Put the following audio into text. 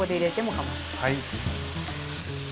はい。